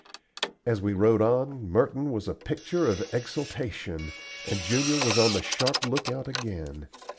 As we rode on, Merton was a picture of exultation, and Junior was on the sharp lookout again.